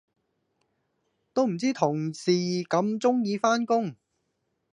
都唔知同事咁鍾意返工